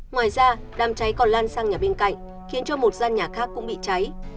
ngoài ra đám cháy còn lan sang nhà bên cạnh khiến cho một gian nhà khác cũng bị cháy